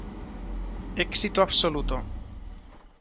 Éxito absoluto.